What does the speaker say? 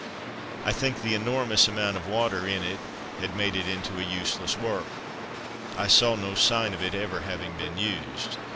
I think the enormous amount of water in it had made it a useless work. I saw no sign of it ever having been used.